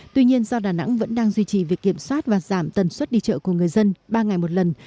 tuy nhiên do đà nẵng vẫn đang duy trì việc kiểm soát và giảm tần suất đi chợ của người dân ba ngày một lần